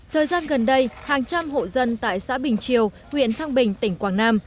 thời gian gần đây hàng trăm hộ dân tại xã bình triều huyện thăng bình tỉnh quảng nam